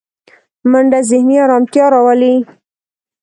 منډه ذهني ارامتیا راولي